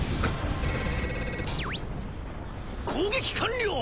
攻撃完了！